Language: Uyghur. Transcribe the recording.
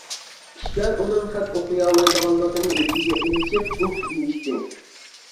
كىشىلەر ئۇنىڭ خەت ئوقۇيالايدىغانلىقىنى ئېسىگە ئېلىشىپ، ئۇھ دېيىشتى.